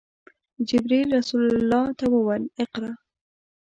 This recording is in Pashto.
جبرئیل رسول الله ته وویل: “اقرأ!”